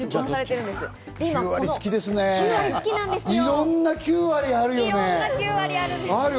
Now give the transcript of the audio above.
いろんな９割があるよね。